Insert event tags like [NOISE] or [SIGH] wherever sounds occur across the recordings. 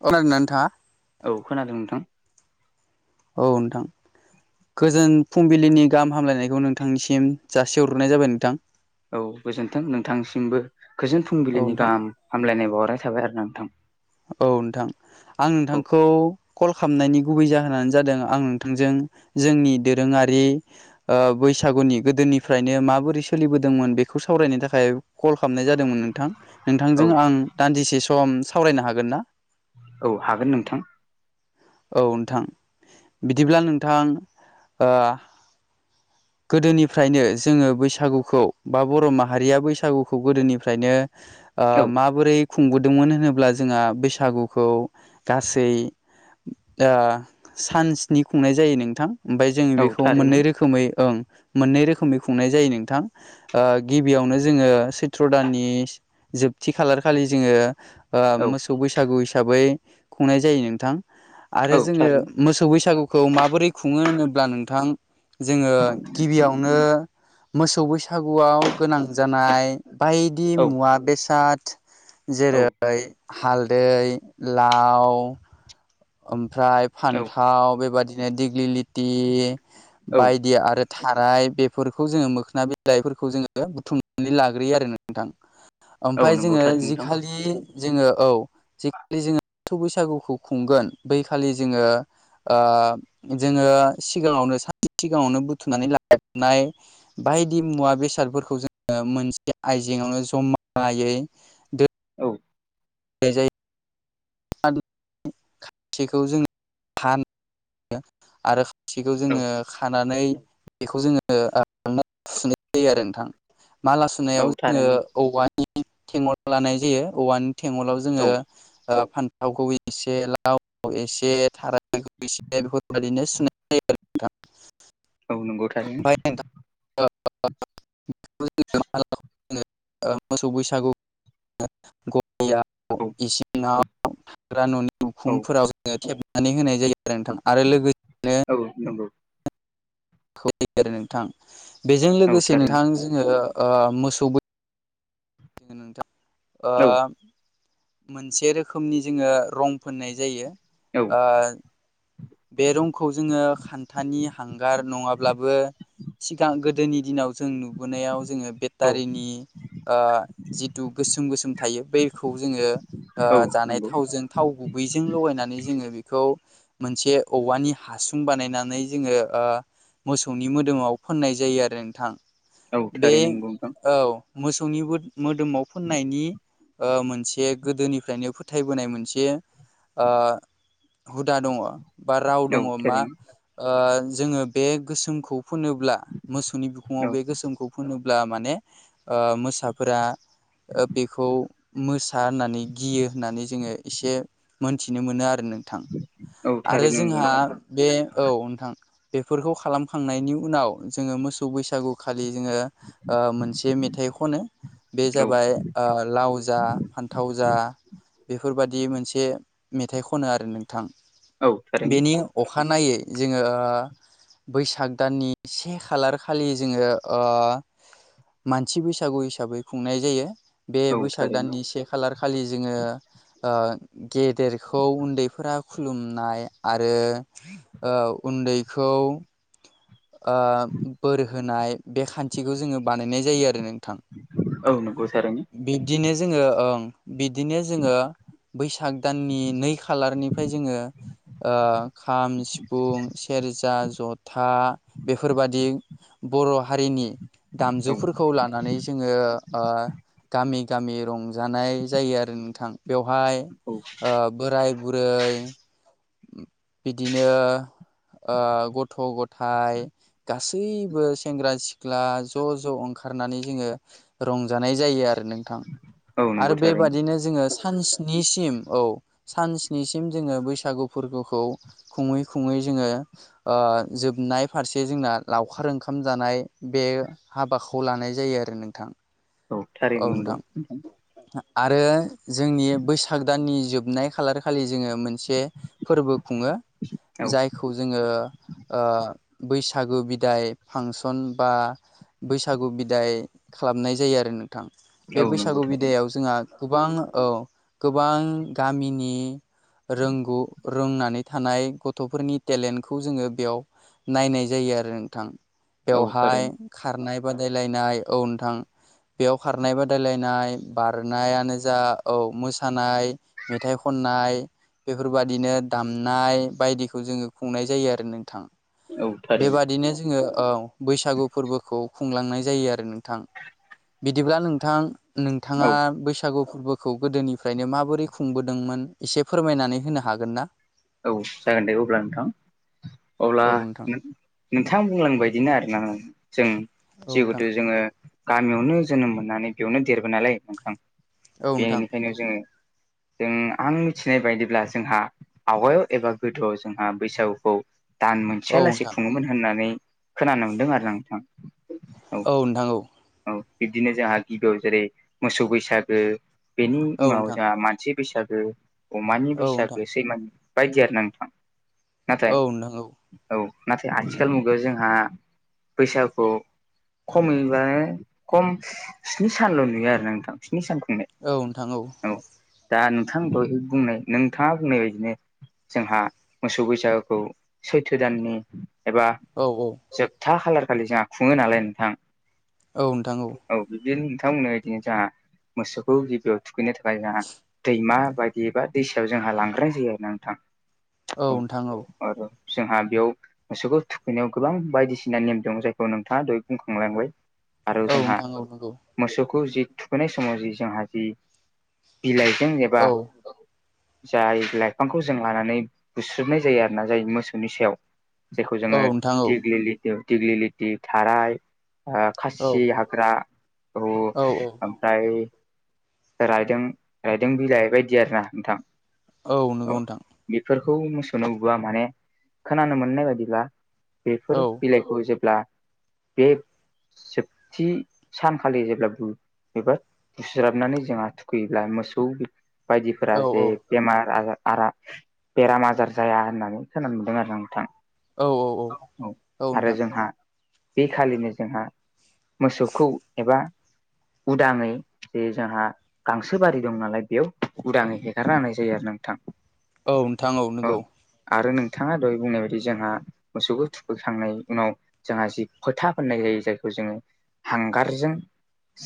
अ खोनादोना नोंथाङा? औ खोनादों नोंथां। औ नोंथां। गोजोन फुंबिलिनि गाहाम हामलायनायखौ नोंथांनिसिम जासि हग्रोनाय जाबाय नोंथां। औ गोजोन्थों नोंथांसिमबो गोजोन औ फुंबिलिनि नोंथां गाहाम हामलायनाय बावहरनाय थाबाय आरो ना नोंथां। औ नोंथां। आं नोंथांखौ कल खालामनायनि गुबै जाहोनानो जादों आं नोंथांजों जोंनि दोरोङारि ओ बैसागुनि गोदोनिफ्रायनो माबोरै सोलिबोदोंमोन बेखौ सावरायनो थाखाय कल खालामनाय जादोंमोन नोंथां आरो नोंथां औ नोंथांजों आं दान्दिसे सम सावरायनो हागोन ना? औ हागोन नोंथां। औ नोंथां। बिदिब्ला नोंथां ओ [INAUDIBLE] गोदोनिफ्रायनो जोङो बैसागुखौ बा बर'माहारिया बैसागुखौ गोदोनिफ्रायनो ओ औ माबोरै खुंबोदोंमोन होनोब्ला जोंहा बैसागुखौ गासै दा सान स्नि खुंनाय जायो नोंथां ओमफ्राय जों औ बेखौ थारैनो मोननै रो रोखोमै ओं मोननै रोखोमै खुंनाय जायो नोंथां। ओ गिबियावनो जोङो सैत्र' दाननि जोबथि खालार खालि जोङो ओ औ मोसौ बैसागु हिसाबौ खुंनाय जायो नोंथां। आरो औ जोङो थारैनो मोसौ बैसागुखौ माबोरै बुंङो होनोब्ला नोंथां जोङो गिबियावनो मोसौ बैसागुआव गोनां जानाय बायदि औ मुवा बेसाद औ जेरै हालदै, लाव ओमफ्राय औ फान्थाव बेबायदिनो दिग्लि लथि औ बायदि आरो थाराय बेफोरखौ जोङो मोखोना बिलाइफोरखौ जोङो बुथुमनानै लाग्रोयो आरो नोंथां। औ ओमफाय नंगौ जोङो थारैनो नोंथां जिखालि जोङो औ जिखालि जोङो बैसागुखौ खुंगोन बैखालि जोङो ओ जोङो सिगाङावनो सानसे सिगाङावनो बुथुमनानै लाबनाय बायदि मुवा बेसादफोरखौ जोङो मोनसे आयजेंआवनो ज'मायै औ नाय जायो। थिखौ जोंङो खान आरो खायसेखौ औ जोङो खानानै बेखौ जोङो सुनाय जायो आरो नोंथां माला सुनायाव औ जोङो थारैनो औवा नि थेेंअल लानाय जायो औवानि थेंगलाव जोङो औ फानथावखौ ए से लावखौ एसे थारखौ एसे बेफोरबायदिनो सुनाय जायो। आरो नोंथां। औ नंगौ ओमफ्राय थारैनो। [UNINTELLIGIBLE] मोसौ बैसागु गलियाव औ इसिङाव थाग्रा न'नि औ उखुमफोराव जोङो नानै होनाय जायो आरो नोंथां आरो लोगो औ नंगौ। [UNINTELLIGIBLE] नोंथां बेजों औ लोगोसे थारैनो नोंथां जोङो ओ मोसौ बै ओ औ मोनसे रोखोमनि जोङो रं फोननाय जायो औ ओ बे रंखौ जोङो खान्थानि हांगार नङाब्लाबो सिगां गोदोनि दिनाव जों नुबोनायाव जोङो औ बेटारिनि ओ जिथु गोसोम गोसोम थायो। बैखौ जोङो जानाय नंगौ थावजों थाव गुबैजों लगायनानै जोङो बेखौ मोनसे औवानि हासुं बानायनानै जोङो ओ मोसौनि मोदोमाव फोननाय जायो आरो नोंथां। औ बे थारैनो नंगौ औ मोसौनिबो मोदोमाव फोननायनि ओ मोनसे गोदोनिफ्रायनो फोथायबोनाय मोनसे ओ हुदा दङ। बा राव दङ नोंथां औ मा थारैनो ओ जोंङो बे गोसोमखौ होनोब्ला मोसौनि बि खुंङाव औ बे गोसोमखौ फुनोब्ला माने ओ मोसाफ्रा ओ बेखौ मोसा होननानै गियो होननानै जोङो एसे मोनथिनो मोनो आरो नोंथां औ आरो थारैनो नंगौ जोंहा नोंथां बे औ नोंथां। बेफोरखौ खालामखांनायनि उनाव जोंङो मोसौ बैसागु खालि जोंङो ओ मोनसे मेथाइ खनो बे औ जाबाय ओ लाव जा फान्थाव जा बेफोरबादि मोनसे मेथाइ खनो आरो नोंथां। औ थारैनो बेनि अखानायै जोंङो ओ बैसाग दाननि से खालार खालि जोंङो ओ मानसि बैसागु हिसाबै खुंनाय जायो बे औ बैसाग थारैनो दाननि से- खालार खालि जोंङो ओ गेदेरखौ उन्दैफोरा खुलुमनाय आरो ओ उन्दैखौ ओ बोर होनाय बे खान्थिखौ जोङो बानायनाय जायो आरो नों औ नंगौ थारैनो। बिब्दिनो जोंङो ओं बिब्दिनो जोंङो बैसाग दाननि नै खालारनिफ्राय जोंङो ओ खाम सिफुं सेरजा जथा- बेफोरबादि बर' हारिनि औ दामजुफोरखौ लानानै जोंङो ओ गामि-गामि रंजानाय जायो आरो नोंथां बेवहाय औ बोराय बुरै बिदिनो ओ गथ' गथाय हाय गासैबो सेंग्रा सिख्ला ज'- ज' ओंखारनानै जोंङो रंजानाय जायो आरो नोंथां औ नंगौ आरो थारैनो बेबादिनो जोङो सानसिनिसिम औ सान सनिसिम जोंङो बैसागु फोरबोखौ खुङै-खुङै जोंङो ओ‌ जोब नाय फारसे जोंना लावखार ओंखाम जानाय बे हाबाखौ लानाय जायो आरो नोंथां। औ थारैनो नंगौ नोंथां। आरो जोंनि बैसाग दाननि जोबनाय खालार- खालि जोंङो मोनसे फोरबो खुङो औ जायखौ जोंङो ओ बैसागु बिदाय फांसन बा बैसागु बिदाय खालामनाय जायो आरो नोंथां बे औ नंगौ बैसागु थारैनो बिदायाव जोंहा गोबां औ गोबां गामिनि रोंगौ रोंनानै थानाय गथ'फोरनि टेलेन्टखौ जोंङो बेयाव नायनाय जायो आरो नोंथां औ बेवहाय थारैनो खारनाय बादायलायनाय औ नोंथां। बेयाव खारनाय बादायलायनाय बारनायानो जा औ मोसानाय मेथाइ खननाय बेफोरबादिनो दामनाय बायदिखौ जोंङो खुंनाय जायो आरो नोंथां। औ थारैनो बेबादिनो जोंङो औ बैसागु फोरबोखौ खुंलांनाय जायो आरो नोंथां बिदिब्ला नोंथां नोंथांङा औ बैसागु फोरबो खौ गोदोनिफ्रायनो माबोरै खुंबोदोंमोन एसे फोरमायनानै होनो हागोन ना? औ जागोन दे अब्ला नोंथां अब्ला औ नोंथां नों नोंथांङा बुंलांनाय बायदिनो आरोना जों औ नोंथां जिहेथु जोंङो गामियावनो जोनोम मोननानै बेयावनो देरबो नालाय नोंथां औ नोंथां बेनिखायनो जोंङो जों आं मिथिनाय बायदिब्ला जोंहा आवगायाव एबा गोदोआव जोंहा बैसागुखौ दान औ मोनसेया लासेै खुङोमोन होननानै खोनानो मोनदों आरोना नोंथां। औ नोंथां औ। औ बिब्दिनो जोंहा गिबियाव जेरै मोसौ बैसागो बेनि उनाव जोंहा मानसि बैसागो अमानि औ नोंथां औ नोंथां औ नोंथां औ बैसागो सैमानि बायदि आरोना नोंथां औ नोंथां औ नोंथां औ औ नाथाय आथिखाल मुगायाव जोंहा बैसागु खमैबा खम स्नि सानल' नुयो आरो नोंथां स्नि सान खुंनाय। औ नोंथां औ। औ दा नोंथांङा दोहाय बुंनो‌ नोंथांङा बुंनाय बायदिनो जोंहा मोसौ बैसागोखौ सैथो दाननि एबा औ-औ जोबथा खालारखालि जोंहा खुङो नालाय नोंथां औ नोंथां औ औ बिदिनो नोंथांमोना इदिनो जोहा मोसौखौ गिबियाव थुखैनो थाखाय जोंहा दैमा बायदि एबा दैसायाव जोंहा लांग्रााय जायो आरो ना थां औ नोंथां औ। आरो जोंहा बेयाव मोसौखौ थुखैनायाव गोबां बायदिसिना नेम दं जायखौ नोंथांङा दहाय बुंखांलांबाय। आरो जोंहा नंगौ मोसौखौ जि थुखैनाय समाव जि जोंहा जि बिलाइजों एबा औ जारि बिलाइ बिफांखौ जों लानानै बुस्रुबनाय जायो आरोना जाय मोसौनि सायाव जायखौ जोङो औ नोंथां औ दिगलि लि दिग्लि लिटि थाराय ओ औ खासि हाग्रा औ ओमफ्राय रायदों रायदों बिलाइ बायदि आरो ना नोंथां औ नंगौ नोंथां बेफोरखौ मोसौनो बा माने खोनानो मोननाय बायदिब्ला औ बेफोर बिलाइ खौ जेब्ला बे जोबथि सानखालि जेब्ला [UNINTELLIGIBLE] एबा बुस्राबनानै जोंहा थुखैयोब्ला मोसौ बायदिफोरा औ जे बेमार आजा आरा बेराम आजार जाया होननानै खोनानो मोनदों आरो ना नोंथां औ औ औ आरो नोंथां जोंहा बे खालिनो जोंहा मोसौखौ एबा उदाङै जे जोंहा गांसो बारि दं नालाय बेयाव उदाङै हेगारना होनाय जायो आरो नोंथां औ नोंथां औ नोंगौ आरो नोंथाङा दहाय बुंनाय बायदि जोंहा मोसौखौ थुखैखांनाय उनाव जोंहा जि फोथा फोननाय जायो जायखौ जोङो हांगारजों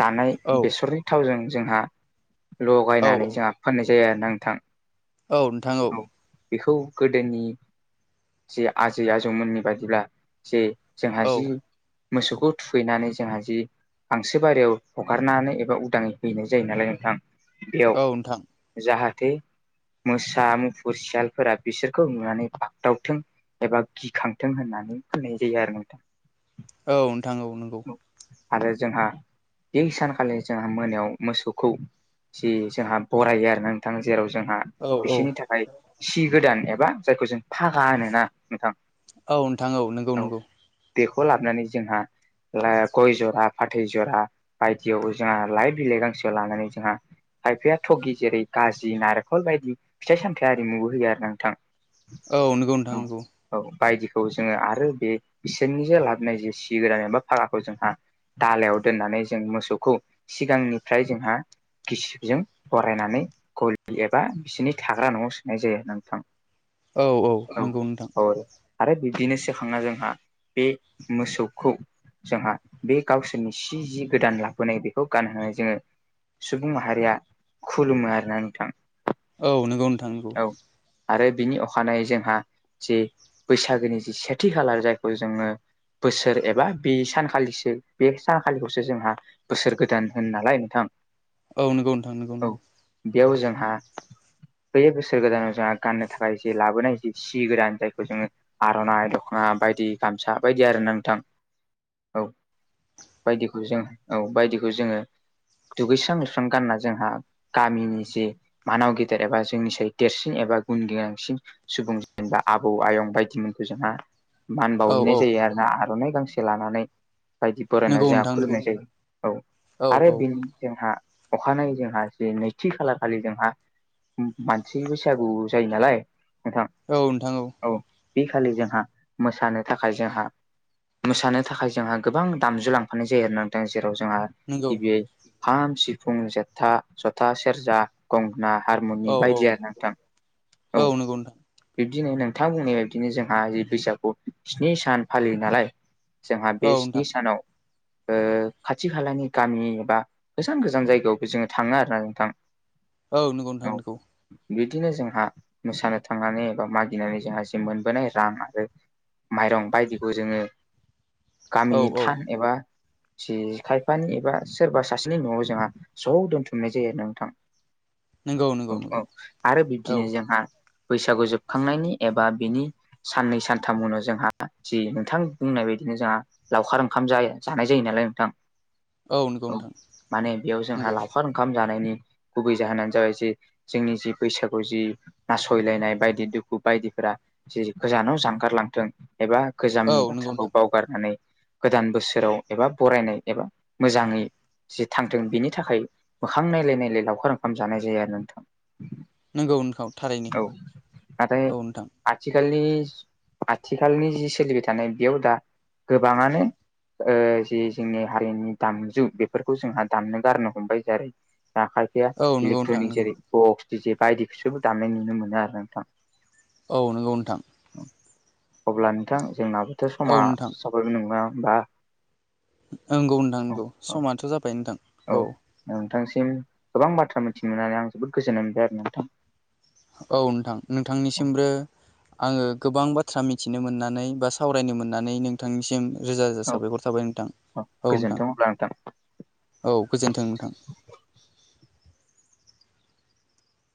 जानाय औ बेसरनि थावजों जोंहा औ लगायनानै औ जोंहा फोननाय जायो आरो ना नोंथां औ नोंथां औ बेखौ गोदोनि जे आजै आजौमोननि बायिब्ला जे जोंहा औ जि मोसौखौ थुखैनानै जोंहा जि गांसो बारियाव हगारनानै एबा उदाङै हैनाय जायो नालाय नोंथां बेयाव औ नोंथां जाहाथे मोसा मुफुर सियालफोरा बिसोरखौ नुनानै बाग्दावथों एबा गिखांथों होननानै फोननाय जायो आरो नोंथां औ नोंथां औ नोंगौ आरो जोंहा बे सानखालि जोंहा मोनायाव मोसौखौ जि जोंहा बरायो आरो नोंथां जेराव जोंहा औ औ बिसोरनि थाखाय सि गोदान एबा जायखौ जों फागा होन ना नोंथां औ नोंथां औ नोंगौ नोंगौ बेखौ लाबोनानै जोंहा [UNINTELLIGIBLE] गय जरा फाथै जरा बायदियाव जोंहा लाइ बिलाइ गांसोआव लानानै जोंहा खायफाया थगि जेरै गाजि नारेंखल बायदि फिथाइ सामथायाइ आरिमु होयो आरो ना नोंथां औ नंगौ औ नोंथां नंगौ औ बायदिखौ जोङो आरो बे बिसोरनि जे लाबोनाय जे सि गोदान एा फाराखौ जोंहा दालायाव दोननानै जों मोसौखौ सिगांनिफ्राय जोंहा गिसिबजों बरायनानै गलि एबा बिसिनि थाग्रा न'आव सोननाय जायो नोंथां औ औ नंगौ नोंथां औ [UNINTELLIGIBLE] आरो बिब्दिनो सेखांना जोंहा बे मोसौखौ जोंहा बे गावसोरनि सि जि गोदान लाबोनाय बेखौ गानहोनानै जोङो सुबुं माहारिया खुलुमो आरोना नोंथां औ नोंगौ नोंथां औ आरो बिनि अखानायै जोंहा जि बैसागोनि जि सेथि खालार जायखौ जोङो बोसोर एबा बे सानखालिसो बे सानखालिखौसो जोंहा बोसोर गोदान होन नालाय थां औ नंगौ नोंथां नंगौ नंगौ बेयाव जोंहा बैयै बोसोर गोदानाव जोंहा गाननो थाखाय जे लाबोनाय जे सि गोदान जायखौ जोङो आर'नाइ दख'ना बायदि गामसा बायदि आरो ना नोंथां औ बायदिखौ जों औ बायदिखौ जोङो दुगैस्रां लोबस्रां गानना जोंहा गामिनि जे मानाव गेदेर एबा जोंनि सै देरसिन एबा गुन गोनांसिन सुबुं जेनबा आबौ आयं बायदिमोनखौ जोंहा मान औ बावहैनाय जायो आरो ना आर'नाइ गांसे लानानै। बायदि बरायना नंगौ जोंहा नोंथां नंगौ खुलुमनाय जायो। औ आरो बेनि जोंहा अखानायै जोंहा ज नैथि खालार खालि जोंहा मानसि बैसागु जायो नालाय नोंथां औ नोंथां औ औ बे खालि जोंहा मोसानो थाखाय जोंहा मोसानो थाखाय जोंहा गोबां दामजु लांफानाय जायो आरो नोंथां जेराव जोंहा नंगौ गिबिय खाम, सिफुं, जथा, सेरजा गंगना, औ हारमुनि औ बायदि आरो नोंथां औ नंगौ नोंथां बिब्दिनो नोंथां बुंनाय ब बिदिनो जोंहा बैसागु स्नि सान फालियो नालाय जोंहा बे औ स्नि नोंथां सानाव खाथि खालानि गामि एबा गोजान गोजान जायगायावबो जोङो थाङो आरो ना नोंथां। औ नंगौ औ नोंथांनिखौ बिदिनो जोंहा मोसानो थांनानै एबा मागिनानै जोंहा जि मोनबोनाय रां आरो माइरं बायदिबो जोङो औ गामिनि औ थान एबा जि खायफानि एबा सोरबा सासेनि न'आव जोंहा ज' दोनथुमनाय जायो। आरो नोंथां नंगौ औ नंगौ औ नंगौ आरो औ बिब्दिनो जोंहा बैसागु जोबखांनायनि एबा बिनि साननै सानथाम उनाव जोंहा जि नोंथां बुंनाय बायदिनो जोंहा लावखार ओंखाम जाया जानाय जायो नालाय नोंथां औ नंगौ नोंथां माने बेयाव जोंहा नंगौ लाखारा ओंखाम जानायनि गुबै जाहोनानो जाबाय जे जोंनि जि बैसागु जि नासयलायनाय बायदि दुखु बायदिफोरा गोजानाव जानगारलांथों एबा औ गोजामनि नंगौ नोंथां बाथ्राखौ बाव बारनानै गोदान बोसोराव एबा बरायनाय एबा मोजाङै जि थांदों बिनि थाखाय मोखां नायलाय नायलाय लावखार ओंखाम जानाय जायो। आरो नोंथां नंगौ नोंथां थारैनो ओ नाथाय औ नोंथां आथिखालनि आथिखालनि जि सोलिबाय थानाय बेयाव दा गोबाङानो जि जोंनि हारिनि दामजु बे बेफोरखौ जोंहा दामनो गारनो हमबाय जेरै जों खायफाया औ नंगौ नोंथां इलेकट्रनिक नंगौ जेरै बायदिखौसोबो दामनाय नुनो मोनो आरो नोंथां औ नोंगौ नोंथां अब्ला नोंथां जोंनाबोथ' औ समा नोंथां साबायगोन नङा होमबा नंगौ नोंथां औ नंगौ समाथ' जाबाय नोंथां औ नोंथांसिम गोबां बाथ्रा मिथिनो मोननानै आं जोबोद गोजोननाय मोनबाय आरो नोंथां। औ नोंथां औ नोंथांनिसिमबो आङो गोबां बाथ्रा मिथिनो मोननानै बा सावरायनो मोननानै नोंथांनिसिम रोजा रोजा औ साबायखर थाबाय। नोंथां औ नोंथां गोजोन्थों अब्ला नोंथां। औ गोजोन्थों नोंथां